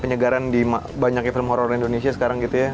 penyegaran di banyaknya film horror indonesia sekarang gitu ya